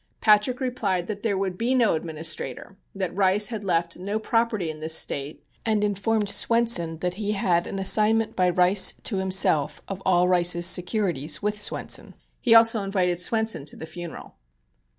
Patrick replied that there would be no administrator; that Rice had left no property in this State, and informed Swenson that he had an assignment by Rice to himself of all Rice's securities with Swenson. He also invited Swenson to the funeral.